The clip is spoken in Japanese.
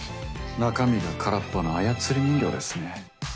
中身が空っぽの操り人形ですね。